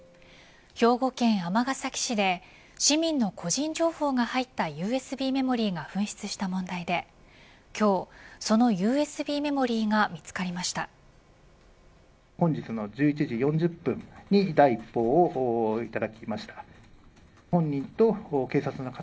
兵庫県尼崎市で市民の個人情報が入ったＵＳＢメモリーが紛失した問題で今日、そのＵＳＢメモリーが見つかりました。